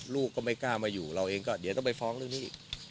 ลูกก็ไม่กล้ามาอยู่เราเองก็เดี๋ยวต้องไปฟ้องเรื่องนี้อีก